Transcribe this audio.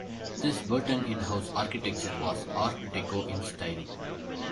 This Burton in-house architecture was Art Deco in style.